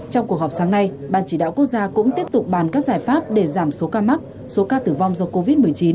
trong cuộc họp sáng nay ban chỉ đạo quốc gia cũng tiếp tục bàn các giải pháp để giảm số ca mắc số ca tử vong do covid một mươi chín